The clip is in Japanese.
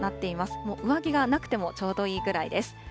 もう上着がなくてもちょうどいいぐらいです。